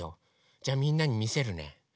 じゃみんなにみせるね。